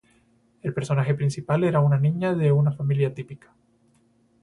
El personaje principal era una niña de una familia típica.